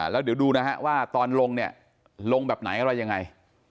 แล้วเดี๋ยวดูว่าตอนลงลงแบบไหนก็ว่ายังไง